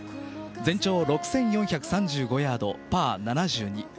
全長６４７５ヤード、パー７２。